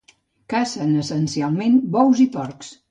Cacen essencialment bous i porcs.